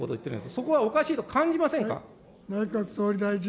そこはおかしいと感じませんか。